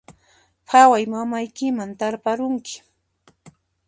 Phaway, mamaykiman tarparunki